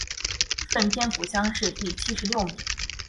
顺天府乡试第七十六名。